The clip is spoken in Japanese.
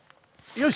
よし！